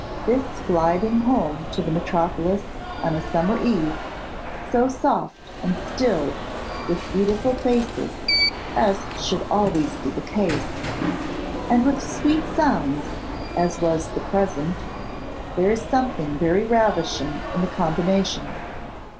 This gliding home to the metropolis on a summer eve, so soft and still, with beautiful faces, as should always be the case, and with sweet sounds, as was the present there is something very ravishing in the combination.